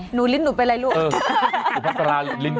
หนูลิ้นหนูเป็นไรล่ะลูก